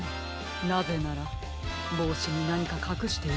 なぜならぼうしになにかかくしているからでは？